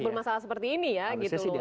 bermasalah seperti ini ya gitu loh